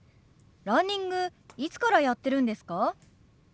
ランニングいつからやってるんですか？